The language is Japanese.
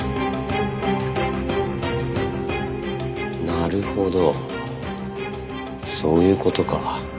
なるほどそういう事か。